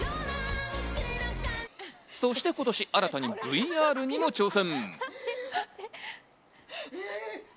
そして今年、新たにＶＲにも挑戦。